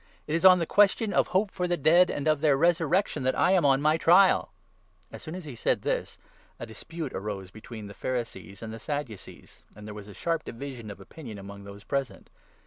It is on the question of hope for the dead and of their resurrection that I am on my trial." As soon as he said this, a dispute arose between the Pharisees 7 and the Sadducees ; and there was a sharp division of opinion among those present.